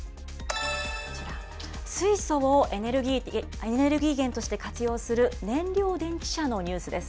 こちら、水素をエネルギー源として活用する燃料電池車のニュースです。